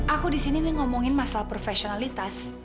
aku di sini nih ngomongin masalah profesionalis